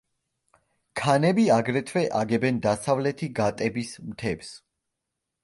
ქანები აგრეთვე აგებენ დასავლეთი გატების მთებს.